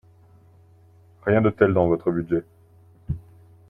Rien de tel dans votre budget